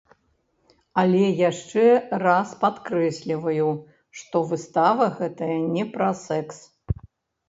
Але яшчэ раз падкрэсліваю, што выстава гэтая не пра сэкс!